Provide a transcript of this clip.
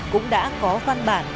cũng đã có văn bản